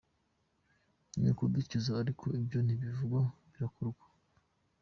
Ni ukudukiza, ariko ibyo ntibivugwa birakorwa.